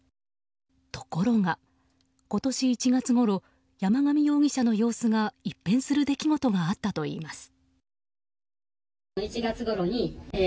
ところが今年１月ごろ山上容疑者の様子が一変する出来事があったといいます。